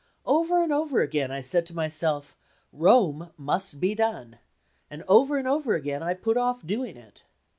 Over and over again, I said to myself: "Rome must be done"; and over and over again I put off doing it.